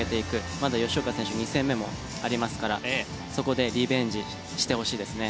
まだ吉岡選手２戦目もありますからそこでリベンジしてほしいですね。